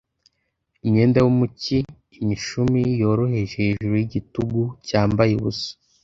imyenda yo mu cyi imishumi yoroheje hejuru yigitugu cyambaye ubusa